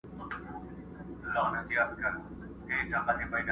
مور او ورور پلان جوړوي او خبري کوي